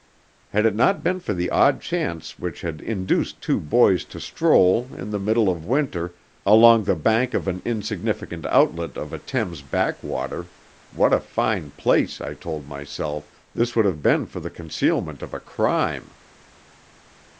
Had it not been for the odd chance which had induced two boys to stroll, in the middle of winter, along the bank of an insignificant outlet of a Thames backwater, what a fine place, I told myself, this would have been for the concealment of a crime!